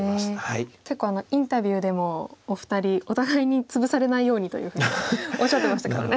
結構インタビューでもお二人お互いにツブされないようにというふうにおっしゃってましたからね。